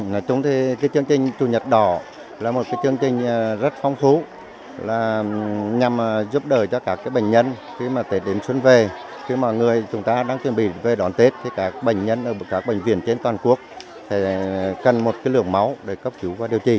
nói chung thì chương trình chủ nhật đỏ là một chương trình rất phong phú